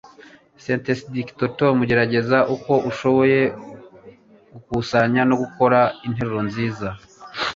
Sentencedictcom gerageza uko ushoboye gukusanya no gukora interuro nziza